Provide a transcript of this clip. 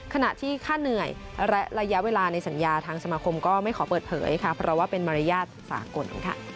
ขณะที่ค่าเหนื่อยระยะเวลาในสัญญาทางสมาคมก็ไม่ขอเปิดเผยค่ะเพราะว่าเป็นมารยาทสากล